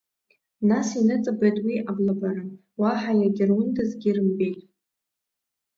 Нас иныҵабеит уи аблабара, уаҳа иага рундазгьы ирымбеит.